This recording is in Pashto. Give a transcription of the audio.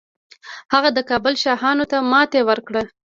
هغه د کابل شاهانو ته ماتې ورکړه